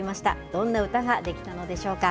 どんな歌が出来たのでしょうか。